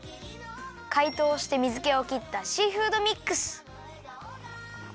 かいとうして水けを切ったシーフードミックス。